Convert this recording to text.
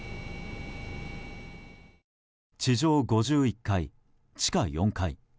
地上５１階、地下４階。